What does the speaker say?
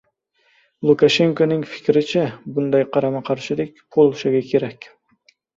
Lukashenkoning fikricha, bunday qarama-qarshilik Polshaga kerak